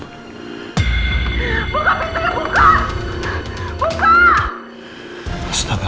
buka pintunya buka